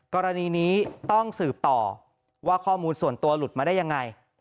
กรณีนี้ต้องสืบต่อว่าข้อมูลส่วนตัวหลุดมาได้ยังไง